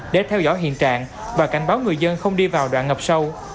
để theo dõi hiện trạng và cảnh báo người dân không đi vào đoạn ngập sâu